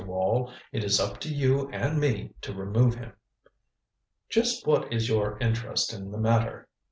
Wall it is up to you and me to remove him." "Just what is your interest in the matter?"